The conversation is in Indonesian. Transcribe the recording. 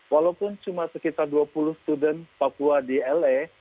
walaupun cuma sekitar dua puluh student papua di la